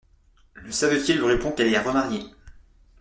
Le savetier lui répond qu'elle est remariée.